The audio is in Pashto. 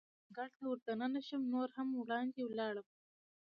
انګړ ته ور دننه شوم، نور هم وړاندې ولاړم.